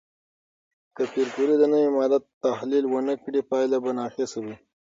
که پېیر کوري د نوې ماده تحلیل ونه کړي، پایله به ناقصه وي.